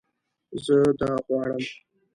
زه دا غواړم